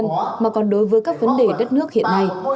nhưng cũng đối với các vấn đề đất nước hiện nay